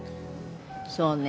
そうね。